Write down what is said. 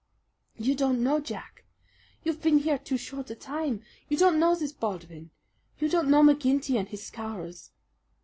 "You don't know, Jack. You've been here too short a time. You don't know this Baldwin. You don't know McGinty and his Scowrers."